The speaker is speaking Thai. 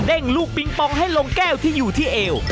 ลูกปิงปองให้ลงแก้วที่อยู่ที่เอว